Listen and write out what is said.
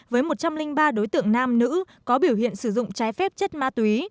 với một trăm linh ba đối tượng nam nữ có biểu hiện sử dụng trái phép chất ma túy